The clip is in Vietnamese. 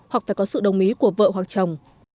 hoặc phải có sự đồng ý của vợ hoặc chồng